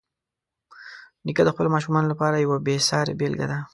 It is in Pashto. نیکه د خپلو ماشومانو لپاره یوه بېسارې بېلګه ده.